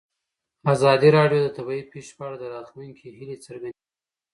ازادي راډیو د طبیعي پېښې په اړه د راتلونکي هیلې څرګندې کړې.